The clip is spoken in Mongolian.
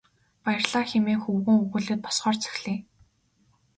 Баярлалаа хэмээн хөвгүүн өгүүлээд босохоор зэхлээ.